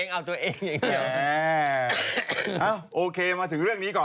โอ้โหโอ้โหโอ้โหโอ้โหโอ้โหโอ้โหโอ้โหโอ้โหโอ้โห